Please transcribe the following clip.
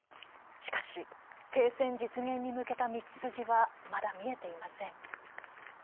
しかし停戦実現に向けた道筋はまだ見えていません。